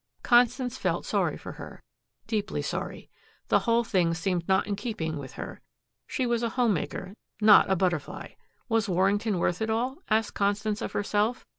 Constance felt sorry for her, deeply sorry. The whole thing seemed not in keeping with her. She was a home maker, not a butterfly. Was Warrington worth it all? asked Constance of herself.